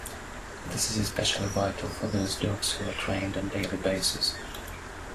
This is especially vital for those dogs who are trained on daily basis.